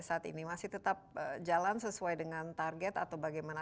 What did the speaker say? saat ini masih tetap jalan sesuai dengan target atau bagaimana